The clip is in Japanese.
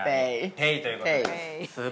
ペイということで。